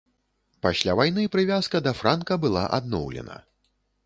Пасля вайны прывязка да франка была адноўлена.